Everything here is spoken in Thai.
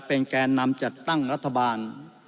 เป็นแกนนำจัดตั้งรัฐบาล